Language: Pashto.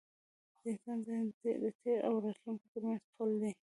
د انسان ذهن د تېر او راتلونکي تر منځ پُل دی.